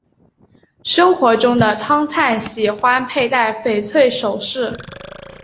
生活中的汤灿喜欢佩戴翡翠首饰。